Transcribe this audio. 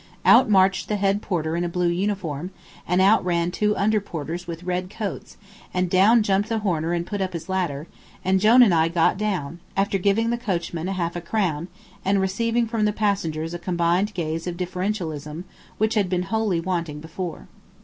Out marched the head porter in a blue uniform, and out ran two under porters with red coats, and down jumped the horner and put up his ladder, and Jone and I got down, after giving the coachman half a crown, and receiving from the passengers a combined gaze of differentialism which had been wholly wanting before.